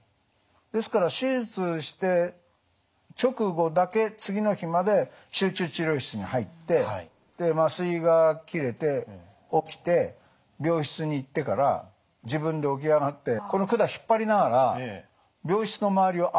ですから手術して直後だけ次の日まで集中治療室に入ってで麻酔が切れて起きて病室に行ってから自分で起き上がってこの管引っ張りながら病室の周りを歩いてたんですよ。